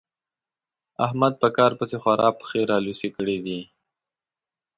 احمد په کار پسې خورا پښې رالوڅې کړې دي.